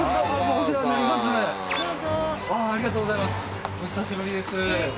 お久しぶりです。